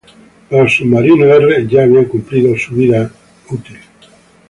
Los submarinos "R" ya habían cumplido su vida útil.